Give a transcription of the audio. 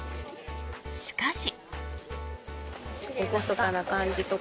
しかし。